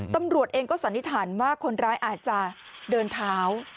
ตำรวจเองก็สันนิษฐานว่าคนร้ายอาจจะเดินเท้า